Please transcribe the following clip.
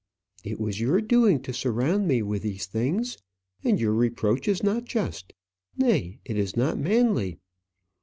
"It was your doing to surround me with these things, and your reproach is not just. Nay, it is not manly."